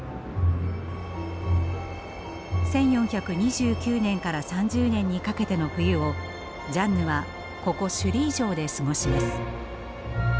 １４２９年から３０年にかけての冬をジャンヌはここシュリー城で過ごします。